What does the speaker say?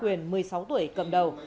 quyền một mươi sáu tuổi cầm đầu